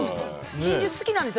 真珠、好きなんですよ